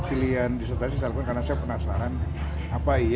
pilihan disertasi saya lakukan karena saya penasaran apa iya